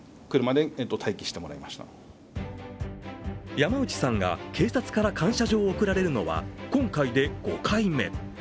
山内さんが、警察から感謝状を贈られるのは、今回で５回目。